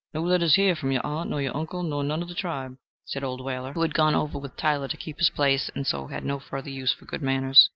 "No letters here from your aunt, nor your uncle, nor none of the tribe," said old Whaler, who had gone over with Tyler to keep his place, and so had no further use for good manners.